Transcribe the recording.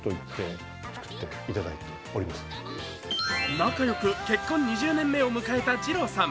仲よく結婚２０年目を迎えた二朗さん。